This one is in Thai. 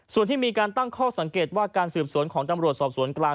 ส่วนที่มีการตั้งข้อสังเกตว่าการสืบสวนของตำรวจสอบสวนกลาง